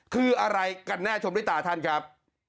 คืออะไรกันแน่ชมด้วยตาท่านครับ